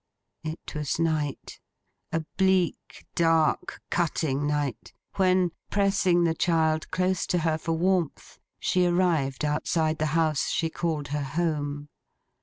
It was night: a bleak, dark, cutting night: when, pressing the child close to her for warmth, she arrived outside the house she called her home.